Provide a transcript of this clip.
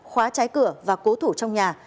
khóa trái cửa và cố thủ trong nhà